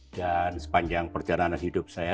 dan sepanjang perjalanan hidup saya